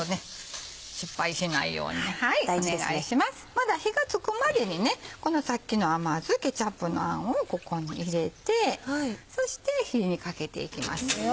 まだ火が付くまでにこのさっきの甘酢ケチャップのあんをここに入れてそして火にかけていきますよ。